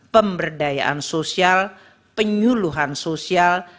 pelayanan sosial dan perlindungan sosial